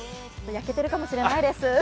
焼けてるかもしれないです。